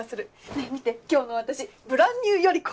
ねぇ見て今日の私ブランニュー頼子！